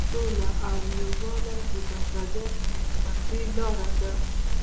سوله او یووالی د بشریت د نیکمرغۍ لاره ده.